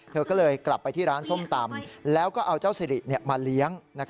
เธอก็เลยกลับไปที่ร้านส้มตำแล้วก็เอาเจ้าสิริมาเลี้ยง